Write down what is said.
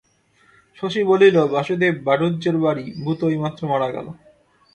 শশী বলিল, বাসুদেব বাড়ুজ্যের বাড়ি, ভূতো এইমাত্র মারা গেল।